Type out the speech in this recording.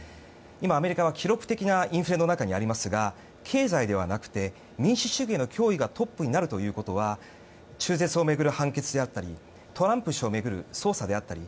今、アメリカは、記録的なインフレの中にありますが経済ではなくて民主主義の脅威がトップになるということは中絶を巡る判決であったりトランプ氏を巡る捜査であったり